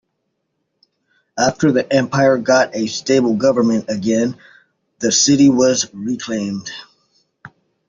After the empire got a stable government again, the city was reclaimed.